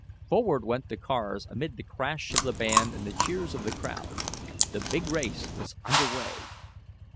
Forward went the cars, amid the crash of the band and the cheers of the crowd. The big race was under way.